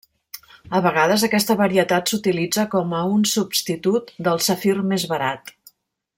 A vegades aquesta varietat s'utilitza com a un substitut del safir més barat.